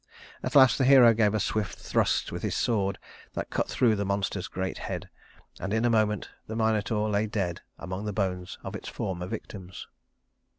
At last the hero gave a swift thrust with his sword that cut through the monster's great head, and in a moment the Minotaur lay dead among the bones of its former victims.